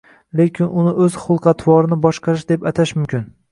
lekin uni o‘z xulq-atvorini boshqarish, deb atash mumkin.